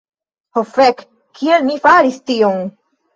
Ho fek' kiel mi faris tion